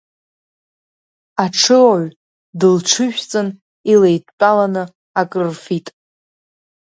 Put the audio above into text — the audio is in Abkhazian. Аҽыоҩ дылҽыжәҵын илеидтәаланы акрырфит.